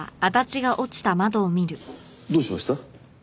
どうしました？